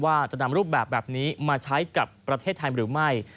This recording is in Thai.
ว่าจะนำรูปแบบนี้มาใช้กับประเทศไทยหรือไม่